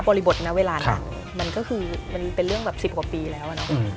บริบทหน้าเวลานั้นมันก็คือเป็นเรื่องแบบ๑๐กว่าปีแล้ว